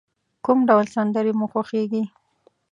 کوم ډول سندری مو خوښیږی؟